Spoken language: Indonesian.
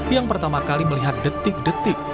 yang pertama kali melihat detik detik